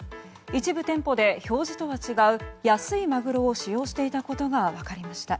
一部店舗で表示とは違う安いマグロを使用していたことが分かりました。